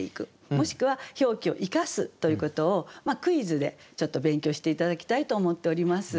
もしくは表記を生かすということをクイズでちょっと勉強して頂きたいと思っております。